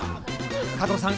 加藤さん